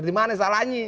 di mana salahnya